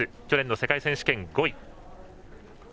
去年の世界選手権５位。